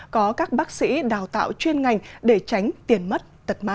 có các bác sĩ đào tạo chuyên ngành để tránh tiền mất tật mạng